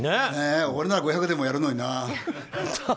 俺なら５００でもやるのにな。